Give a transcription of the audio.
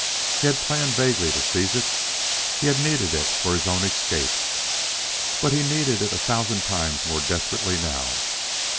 He had planned vaguely to seize it; he had needed it for his own escape; but he needed it a thousand times more desperately now.